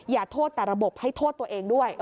อย่าโทษแต่ระบบให้โทษตัวเองด้วย